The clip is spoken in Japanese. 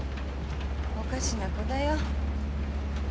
おかしな娘だよ。